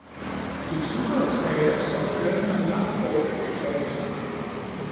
De klukker og klager, som hørte man langt borte fra klokkeklang